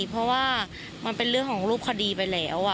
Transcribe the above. เพราะว่ามันเป็นเรื่องของรูปคดีไปแล้ว